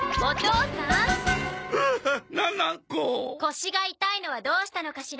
腰が痛いのはどうしたのかしら？